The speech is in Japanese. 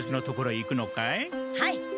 はい！